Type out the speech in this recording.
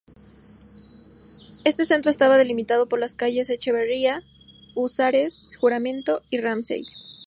Este centro estaba delimitado por las calles Echeverría, Húsares, Juramento y Ramsay.